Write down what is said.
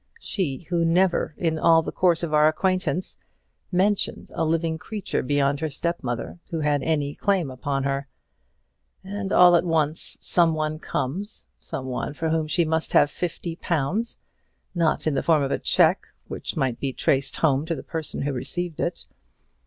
She who never, in all the course of our acquaintance, mentioned a living creature beyond her step mother who had any claim upon her; and all at once some one comes some one for whom she must have fifty pounds; not in the form of a cheque, which might be traced home to the person who received it.